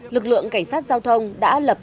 lực lượng cảnh sát giao thông đã lập